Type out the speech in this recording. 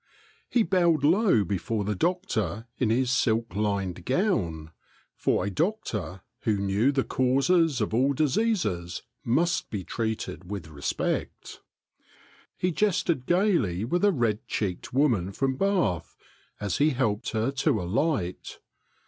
He bowed low before the doctor in his silk lined gown; for a doctor, who knew the causes of all diseases, must be treated with respect. He jested gayly with a red cheeked woman from Bath as he helped her to alight.